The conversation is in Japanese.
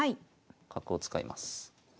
角を使います。